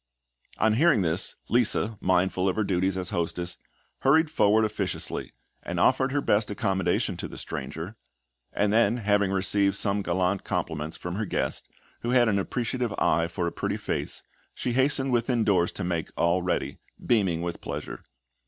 On hearing this, Lisa, mindful of her duties as hostess, hurried forward officiously, and offered her best accommodation to the stranger; and then, having received some gallant compliments from her guest, who had an appreciative eye for a pretty face, she hastened within doors to make all ready, beaming with pleasure.